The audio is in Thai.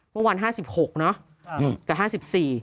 เมื่อวัน๕๖เนอะกับ๕๔